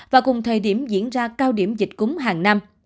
và cùng thời điểm diễn ra cao điểm dịch cúng hàng năm